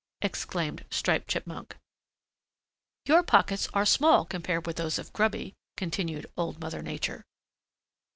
exclaimed Striped Chipmunk. "Your pockets are small compared with those of Grubby," continued Old Mother Nature.